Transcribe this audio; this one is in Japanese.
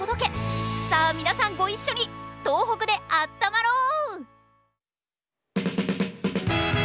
さあ皆さんご一緒に「とうほくであったまろう」